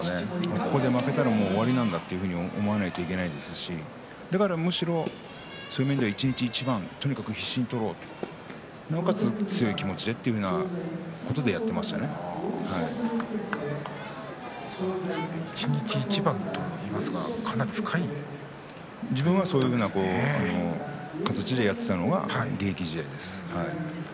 ここで負けたら終わりなんだというふうに思わないといけないですしですから一日一番必死に取ろうとなおかつ強い気持ちでというようなことで一日一番といいますか自分はそういう形でやっていたのが現役時代です。